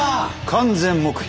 完全黙秘。